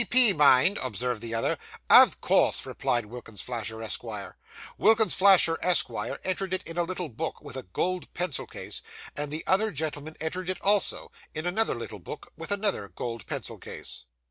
'P. P., mind,' observed the other. 'Of course,' replied Wilkins Flasher, Esquire. Wilkins Flasher, Esquire, entered it in a little book, with a gold pencil case, and the other gentleman entered it also, in another little book with another gold pencil case.